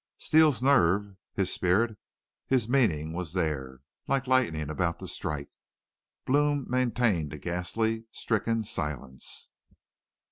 Steele's nerve, his spirit, his meaning was there, like lightning about to strike. Blome maintained a ghastly, stricken silence.